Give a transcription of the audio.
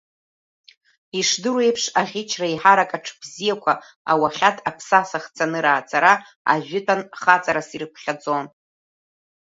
Ишдыру еиԥш, аӷьычра, еиҳарак аҽ бзиақәа, ауахьад, аԥсаса хцаны раацара ажәытәан хаҵарас ирыԥхьаӡон.